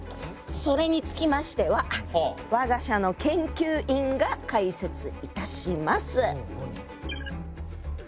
それにつきましては我が社の研究員が解説いたします。